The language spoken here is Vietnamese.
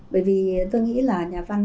bởi vì tôi nghĩ là nhà văn